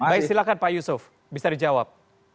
baik silahkan pak yusuf bisa dijawab